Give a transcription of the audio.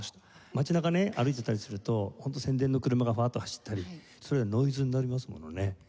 街中ね歩いてたりすると本当宣伝の車がバーッと走ったりそれがノイズになりますものね。